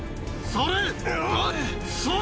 それ！